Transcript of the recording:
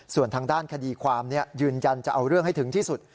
ส่วนทางด้านคดีความยืนยันจะเอาเรื่องให้ถึงที่สุด